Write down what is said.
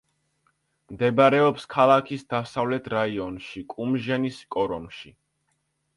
მდებარეობს ქალაქის დასავლეთ რაიონში კუმჟენის კორომში.